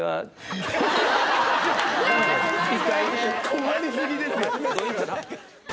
困りすぎですよ。